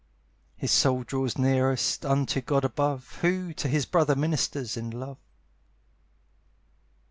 "His soul draws nearest unto God above, Who to his brother ministers in love."